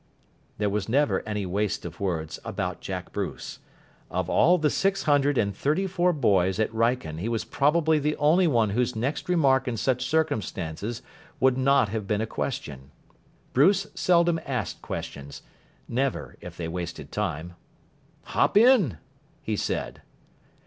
There was never any waste of words about Jack Bruce. Of all the six hundred and thirty four boys at Wrykyn he was probably the only one whose next remark in such circumstances would not have been a question. Bruce seldom asked questions never, if they wasted time. "Hop in," he said.